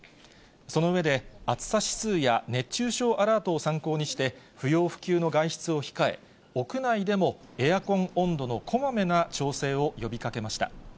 その上で、暑さ指数や熱中症アラートを参考にして、不要不急の外出を控え、屋内でもエアコン温度のこまめな調整を呼びかけました。